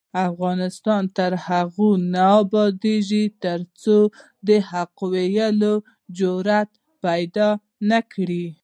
افغانستان تر هغو نه ابادیږي، ترڅو د حق ویلو جرات پیدا نکړو.